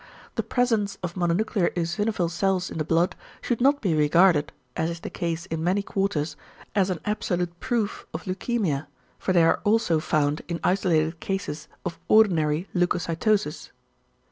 The presence of mononuclear eosinophil cells in the blood should not be regarded, as is the case in many quarters, as an absolute proof of leukæmia, for they are also found in isolated cases of ordinary leucocytosis.